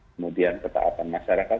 kemudian ketaatan masyarakat